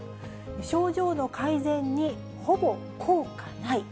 症状の改善にほぼ効果ない。